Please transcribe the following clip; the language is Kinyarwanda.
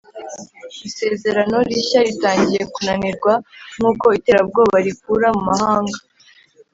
isezerano rishya' ritangiye kunanirwa, nkuko iterabwoba rikura mu mahanga